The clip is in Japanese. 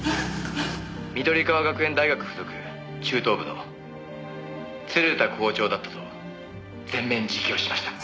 「緑川学園大学付属中等部の鶴田校長だったと全面自供しました」